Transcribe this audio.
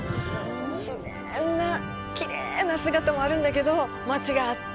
自然な、きれいな姿もあるんだけど、街があって。